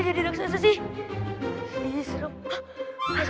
karena kau mau ngaget